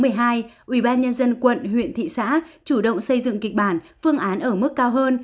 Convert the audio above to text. ủy ban nhân dân quận huyện thị xã chủ động xây dựng kịch bản phương án ở mức cao hơn